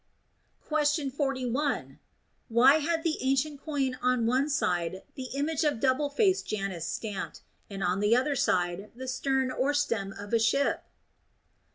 Question 41. Why had the ancient coin on one side the image of double faced Janus stamped, and on the other side the stern or stem of a ship